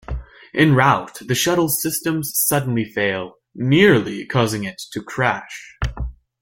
En route, the shuttle's systems suddenly fail, nearly causing it to crash.